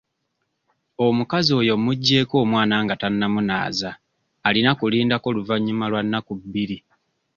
Omukazi oyo muggyeko omwana nga tannamunaaza alina kulindako luvannyuma lwa nnaku bbiri.